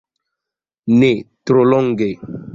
Ne tro longe.